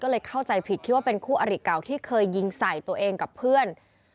ก็เลยเข้าใจผิดคิดว่าเป็นคู่อริเก่าที่เคยยิงใส่ตัวเองกับเพื่อน